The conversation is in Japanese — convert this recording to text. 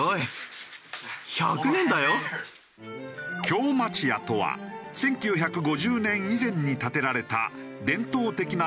京町家とは１９５０年以前に建てられた伝統的な木造建築。